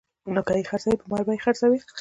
نو که یې خرڅوي پرما به یې خرڅوي